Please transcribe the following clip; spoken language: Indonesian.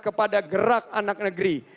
kepada gerak anak negeri